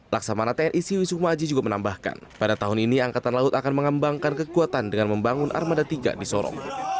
laksamana tni siwi sukma aji juga menambahkan pada tahun ini angkatan laut akan mengembangkan kekuatan dengan membangun armada tiga di sorong